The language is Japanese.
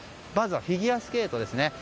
まずはフィギュアスケートです。